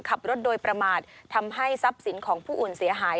ขับรถโดยประมาททำให้ทรัพย์สินของผู้อื่นเสียหาย